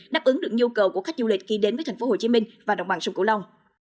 đáp ứng được nhu cầu của khách du lịch khi đến với tp hcm và đồng bằng sông cửu long